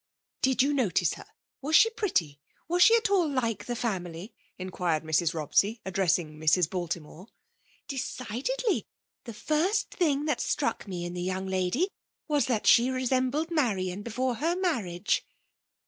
''Did you notice her? Was she pretty, ^was she at all like the family ?" inquired Mrs. Robsey, addressing Mrs. Baltimore. "Decidedly^ The first thing that stnick me in the young lady was, that she resembled Marian before her marriage."